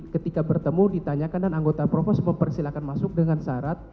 ketika bertemu ditanyakan dan anggota provos mempersilahkan masuk dengan syarat